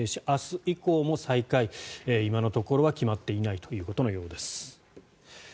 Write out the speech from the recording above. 明日以降も再開は今のところは決まっていないことのようです。